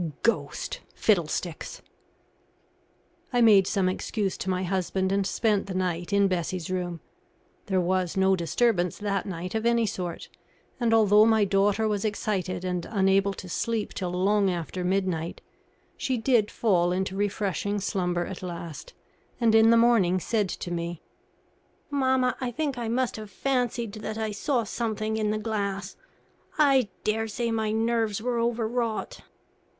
"Ghost? Fiddlesticks!" I made some excuse to my husband and spent the night in Bessie's room. There was no disturbance that night of any sort, and although my daughter was excited and unable to sleep till long after midnight, she did fall into refreshing slumber at last, and in the morning said to me: "Mamma, I think I must have fancied that I saw something in the glass. I dare say my nerves were over wrought."